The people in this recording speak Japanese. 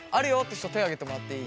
人手を挙げてもらっていい？